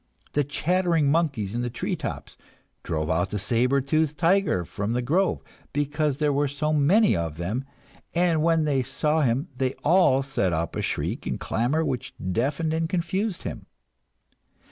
The chattering monkeys in the treetops drove out the saber tooth tiger from the grove because there were so many of them, and when they saw him they all set up a shriek and clamor which deafened and confused him.